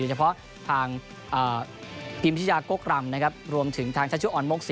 โดยเฉพาะทางพิมพ์ชิชาโก๊กรำนะครับรวมถึงทางชาชุออนมกศิ